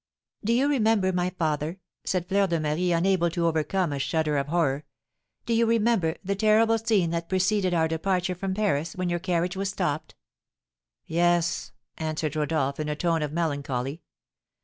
"Do you remember, my father," said Fleur de Marie, unable to overcome a shudder of horror, "do you remember the terrible scene that preceded our departure from Paris when your carriage was stopped?" "Yes," answered Rodolph; in a tone of melancholy.